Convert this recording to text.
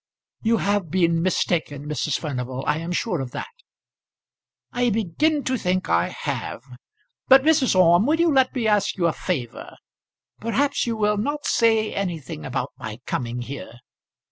"You have been mistaken, Mrs. Furnival. I am sure of that." "I begin to think I have. But, Mrs. Orme, will you let me ask you a favour? Perhaps you will not say anything about my coming here.